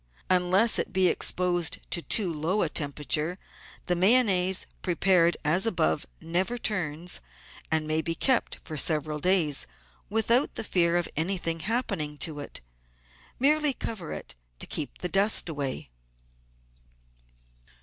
Unless it be exposed to too low a temperature, the Mayonnaise, prepared as above, never turns, and may be kept for several days without the fear of anything happening to it. Merely cover it to keep the dust away.